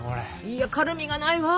いや軽みがないわ。